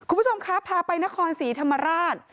คุณผู้ชมครับพาไปนครศรีธรรมราช